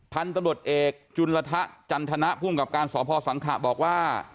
ท่านตำรวจเอกจุลละทะจันทนะพุ่มกับการสอบภาวสังขะบอกว่า